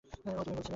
ওহ, তুমি করেছিলে।